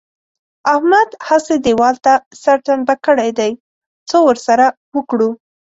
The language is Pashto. احمد هسې دېوال ته سر ټنبه کړی دی؛ څه ور سره وکړو؟!